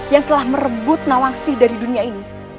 yang telah merebut nawangsih dari dunia ini